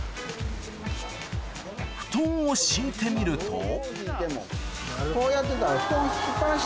布団を敷いてみるとこうやってたら。